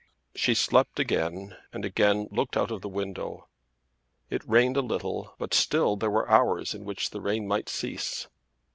She slept again and again looked out of the window. It rained a little but still there were hours in which the rain might cease.